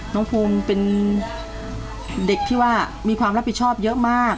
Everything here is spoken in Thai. น้องภูมิเป็นเด็กที่ว่ามีความรับผิดชอบเยอะมาก